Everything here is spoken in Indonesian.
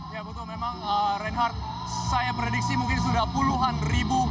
ya betul memang reinhardt saya prediksi mungkin sudah puluhan ribu